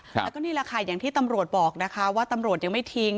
แต่ก็นี่แหละค่ะอย่างที่ตำรวจบอกนะคะว่าตำรวจยังไม่ทิ้ง